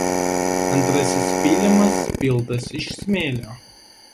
Antrasis pylimas piltas iš smėlio.